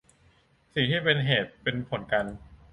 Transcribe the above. สิ่งที่เป็นเหตุเป็นผลกัน